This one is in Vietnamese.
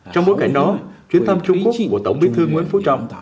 trong bối cảnh đó chuyến thăm trung quốc của tổng bí thư nguyễn phú trọng